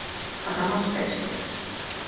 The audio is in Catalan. Pagar amb espècies.